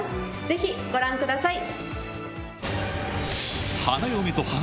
ぜひご覧ください！